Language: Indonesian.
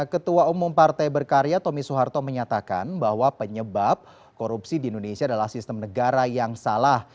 ketua umum partai berkarya tommy soeharto menyatakan bahwa penyebab korupsi di indonesia adalah sistem negara yang salah